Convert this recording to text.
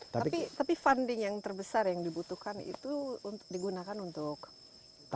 tapi funding yang terbesar yang dibutuhkan itu digunakan untuk apa